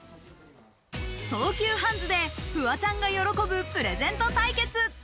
東急ハンズでフワちゃんが喜ぶプレゼント対決。